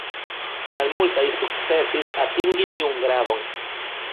Malmultaj sukcesis atingi tiun gradon.